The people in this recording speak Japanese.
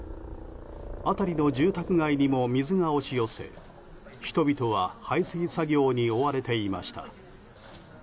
辺りの住宅街にも水が押し寄せ人々は排水作業に追われていました。